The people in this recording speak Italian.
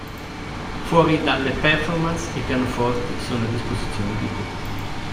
Fuori dalle performance i pianoforti sono a disposizione di tutti.